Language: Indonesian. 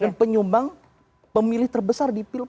dan penyumbang pemilih terbesar di pilih